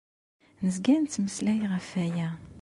Nezga nettmeslay ɣef waya.